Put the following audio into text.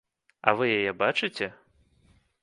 А вы яе бачыце?